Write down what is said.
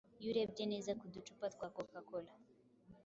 Iyo urebye neza ku ducupa twa Coca cola